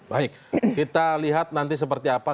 baik kita lihat nanti seperti apa